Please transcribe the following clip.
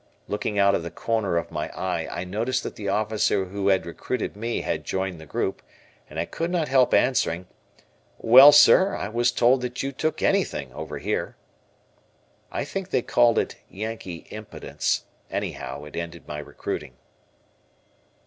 Looking out of the corner of my eye I noticed that the officer who had recruited me had Joined the group, and I could not help answering, "Well, sir, I was told that you took anything over here." I think they called it "Yankee impudence," anyhow it ended my recruiting.